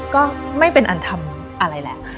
ก็ไม่เป็นอันทำอะไรแหละ